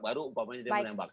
baru umpamanya dia menembak